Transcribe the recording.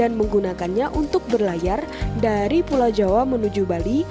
dan menggunakannya untuk berlayar dari pulau jawa menuju bali